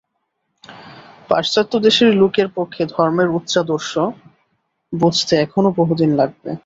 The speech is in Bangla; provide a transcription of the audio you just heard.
পাশ্চাত্যদেশের লোকের পক্ষে ধর্মের উচ্চাদর্শ বুঝতে এখনও বহুদিন লাগবে।